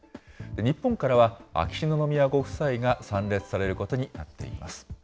日本からは秋篠宮ご夫妻が参列されることになっています。